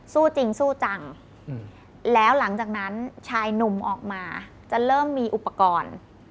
สู้จริงสู้จังแล้วหลังจากนั้นชายหนุ่มออกมาจะเริ่มมีอุปกรณ์